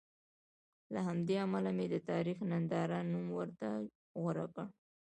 له همدې امله مې د تاریخ ننداره نوم ورته غوره کړ.